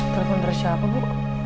telepon dari siapa bu